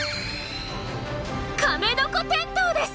カメノコテントウです！